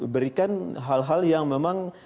berikan hal hal yang memang